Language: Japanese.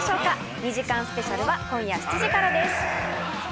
２時間スペシャルは今夜７時からです。